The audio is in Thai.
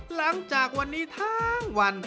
หลังจากวันนี้ทั้งวัน